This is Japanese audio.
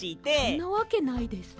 そんなわけないです。